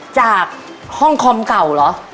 จากห้องคอมเก่าเหรอ